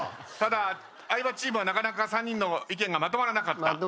ただ相葉チームはなかなか３人の意見がまとまらなかった？